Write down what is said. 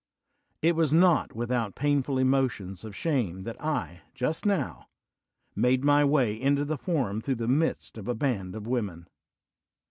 It was not without i>ain ful emotions of shame that I, just now, made my way into the Forum through the midst of a band of women.